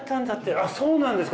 あっそうなんですか。